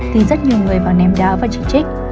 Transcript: thì rất nhiều người vào ném đá và chỉ trích